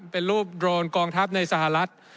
เป็นรูปโดรนกองทัพในสหรัฐ